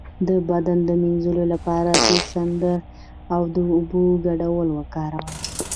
د بدن د مینځلو لپاره د سدر او اوبو ګډول وکاروئ